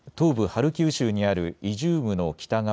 ハルキウ州にあるイジュームの北側